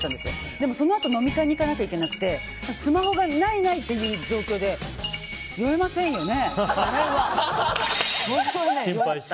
でも、そのあと飲み会に行かないといけなくてスマホがないないっていう状況で酔えませんよね。